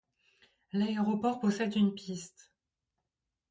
L'aéroport possède une piste.